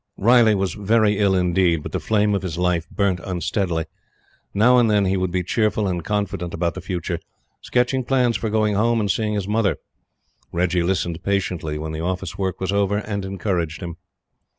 Riley was very ill indeed, but the flame of his life burnt unsteadily. Now and then he would be cheerful and confident about the future, sketching plans for going Home and seeing his mother. Reggie listened patiently when the office work was over, and encouraged him.